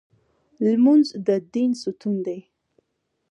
لمونځ د دین ستون دی